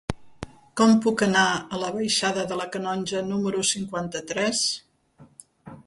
Com puc anar a la baixada de la Canonja número cinquanta-tres?